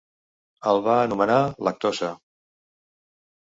El va anomenar "lactosa".